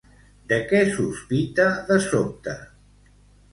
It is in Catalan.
De què sospita de sobte?